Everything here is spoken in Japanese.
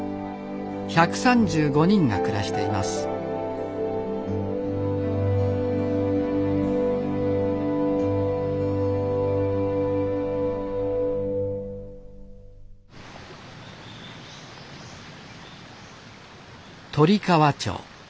１３５人が暮らしています鳥川町。